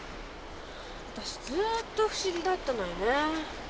わたしずっと不思議だったのよねぇ。